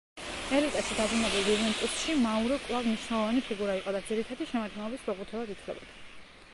ელიტაში დაბრუნებულ „იუვენტუსში“ მაურო კვლავ მნიშვნელოვანი ფიგურა იყო და ძირითადი შემადგენლობის ფეხბურთელად ითვლებოდა.